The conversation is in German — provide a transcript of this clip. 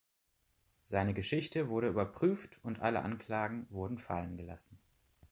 Seine Geschichte wurde überprüft, und alle Anklagen wurden fallen gelassen.